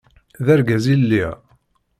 D argaz i lliɣ.